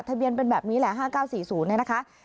ทะเบียนเป็นแบบนี้แหละ๕๙๔๐เนี่ยนะคะ